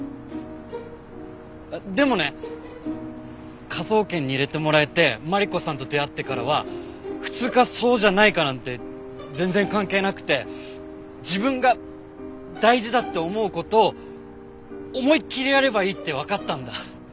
でもね科捜研に入れてもらえてマリコさんと出会ってからは普通かそうじゃないかなんて全然関係なくて自分が大事だって思う事を思いっきりやればいいってわかったんだ。